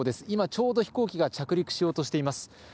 今、ちょうど飛行機が着陸しようとしています。